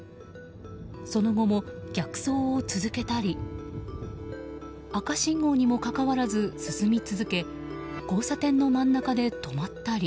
その後も逆走を続けたり赤信号にもかかわらず進み続け交差点の真ん中で止まったり。